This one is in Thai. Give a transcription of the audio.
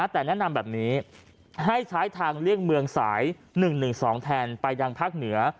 แต่แนะนำแบบนี้ให้ใช้ทางเลี่ยงเมืองสาย๑๑๒แทนไปยังภาคเหนือ